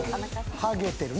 「ハゲてるね」